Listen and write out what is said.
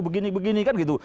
begini begini kan gitu